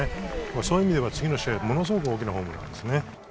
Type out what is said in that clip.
そういう意味では次の試合へものすごく意味の大きなホームランですね。